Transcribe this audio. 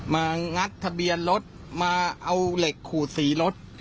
งัดทะเบียนรถมาเอาเหล็กขูดสีรถ